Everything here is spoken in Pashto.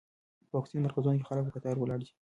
په واکسین مرکزونو کې خلک په کتار ولاړ دي.